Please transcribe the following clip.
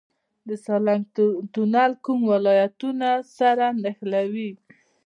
د سالنګ تونل کوم ولایتونه سره نښلوي؟